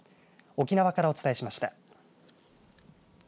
沖縄からお伝えしました。